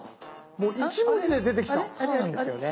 もう１文字で出てきた。